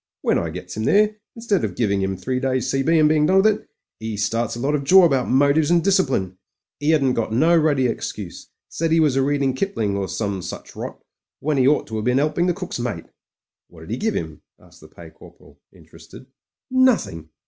"When I gets 'im there, instead of giving 'im three days C.B. and being done with it, 'e starts a lot of jaw about motives and discipline. *E hadn't got no ruddy excuse; said 'e was a'reading Kipling, or some such rot — ^when 'e ought to have been 'elping the cook's mate." "What did he give him?" asked the Pay Corporal, interested. "Nothing.